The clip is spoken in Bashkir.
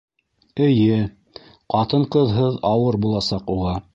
Эйе... ҡатын-ҡыҙһыҙ ауыр буласаҡ уға.